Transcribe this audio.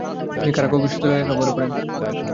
তিনি কারাকাও বিশ্ববিদ্যালয়ে লেখাপড়া করেন।